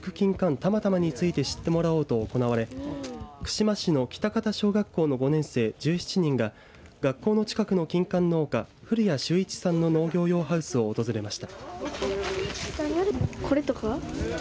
たまたまについて知ってもらおうと行われ串間市の北方小学校の５年生１７人が学校の近くのきんかん農家古屋修市さんの農業用ハウスを訪れました。